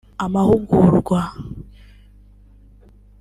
amahugurwa